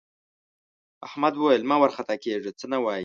احمد وویل مه وارخطا کېږه څه نه وايي.